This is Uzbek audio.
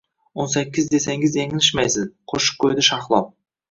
-O’n sakkiz desangiz yanglishmaysiz! – Qo’shib qo’ydi Shahlo.